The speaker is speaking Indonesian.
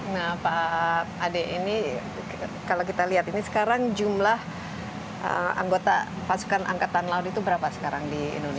nah pak ade ini kalau kita lihat ini sekarang jumlah anggota pasukan angkatan laut itu berapa sekarang di indonesia